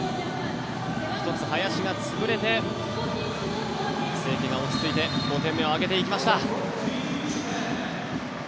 １つ、林が潰れて清家が落ち着いて５点目を挙げていきました。